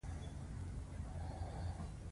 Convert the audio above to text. یکاولنګ بند امیر لري؟